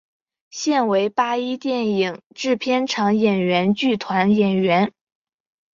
现为八一电影制片厂演员剧团演员。